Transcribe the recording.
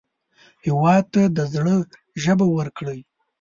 هېواد ته د زړه ژبه ورکړئ